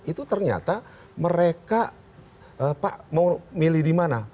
itu ternyata mereka pak mau milih dimana